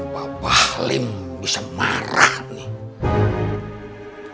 bapak halim bisa marah nih